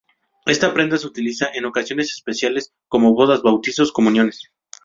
Esta prenda se utiliza en ocasiones especiales, como bodas, bautizos, comuniones...